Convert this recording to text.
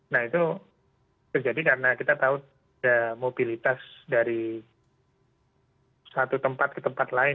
nah itu terjadi karena kita tahu ada mobilitas dari satu tempat ke tempat lain